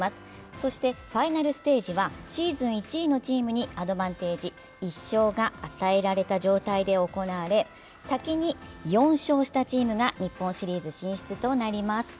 そして、ファイナルステージはシーズン１位のチームにアドバンテージ１勝が与えられた状態で行われ、先に４勝したチームが日本シリーズ進出となります。